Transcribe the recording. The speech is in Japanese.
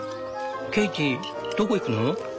ケイティどこ行くの？